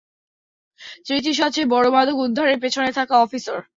ত্রিচির সবচেয়ে বড়ো মাদক উদ্ধারের পেছনে থাকা অফিসার।